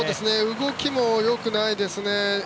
動きもよくないですね。